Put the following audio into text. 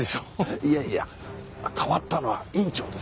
いやいや変わったのは院長です。